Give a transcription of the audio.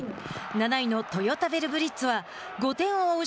７位のトヨタヴェルブリッツは５点を追う